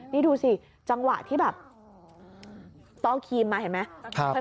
นี่ดูสิจังหวะที่แบบต้องเอาครีมมาเห็นไหม